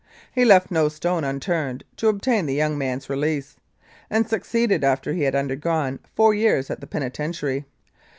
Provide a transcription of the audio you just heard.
He left no stone unturned to obtain the young man's release, and succeeded after he had undergone four years at the penitentiary.